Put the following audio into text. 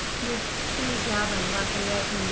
Miss C. Gavan, Lafayette, Ind.